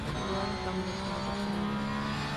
Figueroa, en cambio, se negó firmemente.